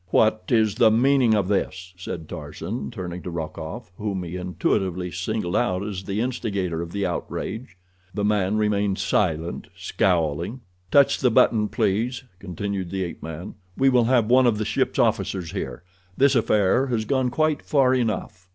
"What is the meaning of this?" said Tarzan, turning to Rokoff, whom he intuitively singled out as the instigator of the outrage. The man remained silent, scowling. "Touch the button, please," continued the ape man; "we will have one of the ship's officers here—this affair has gone quite far enough."